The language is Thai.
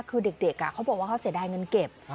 คือเด็กเขาบอกว่าเขาเสียดายเงินเก็บ